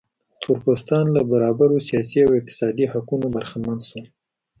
تور پوستان له برابرو سیاسي او اقتصادي حقونو برخمن شول.